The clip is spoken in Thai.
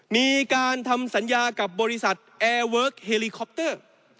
มีการทำสัญญากับบริษัทแอร์เวิร์คเฮลิคอปเตอร์